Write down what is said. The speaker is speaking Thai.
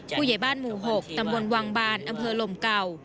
ผู้ใหญ่บ้านหมู่๖ตำบลวังบานอำเภอลมเก่า